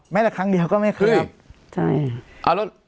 แม้แต่ครั้งเดียวก็ไม่เคยครับ